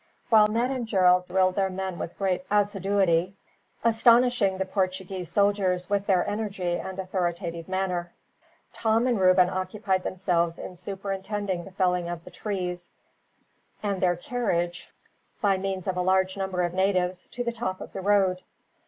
While Ned and Gerald drilled their men with great assiduity, astonishing the Portuguese soldiers with their energy and authoritative manner, Tom and Reuben occupied themselves in superintending the felling of the trees; and their carriage, by means of a large number of natives, to the top of the road.